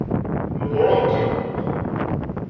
Mebruk.